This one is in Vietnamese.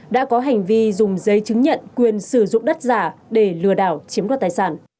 đã có hành vi dùng giấy chứng nhận quyền sử dụng đất giả để lừa đảo chiếm đoạt tài sản